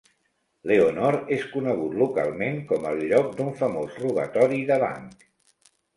Leonore és conegut localment com el lloc d'un famós robatori de banc.